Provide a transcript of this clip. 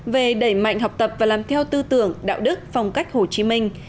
về đẩy mạnh học tập và làm theo tư tưởng đạo đức phong cách hồ chí minh